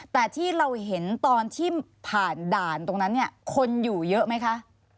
แต่ที่เราเห็นตอนที่ผ่านด่านตรงนั้นเนี่ยคนอยู่เยอะไหมคะ